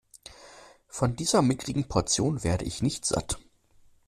Von dieser mickrigen Portion werde ich nicht satt.